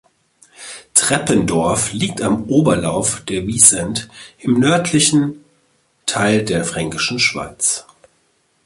Treppendorf liegt am Oberlauf der Wiesent im nördlichen Teil der Fränkischen Schweiz.